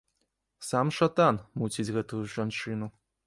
Сам шатан муціць гэтую жанчыну.